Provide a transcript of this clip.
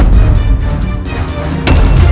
juru sebelah raja